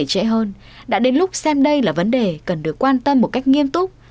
không thể trễ hơn đã đến lúc xem đây là vấn đề cần được quan tâm một cách nghiêm túc